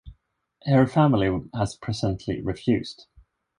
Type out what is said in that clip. Her family has presently refused.